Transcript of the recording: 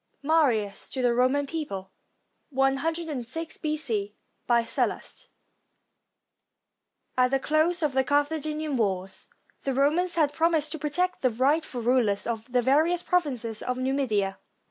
MARIUS TO THE ROMAN PEOPLE [io6 B.C.] BY SALLUST [At the close of the Carthaginian wars, the Romans had promised to protect the rightful rulers of the various prov inces of Numidia.